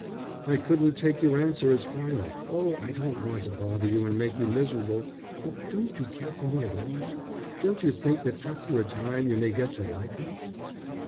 "I couldn't take your answer as final. Oh, I don't want to bother you and make you miserable, but don't you care for me at all? Don't you think that after a time you may get to like me?"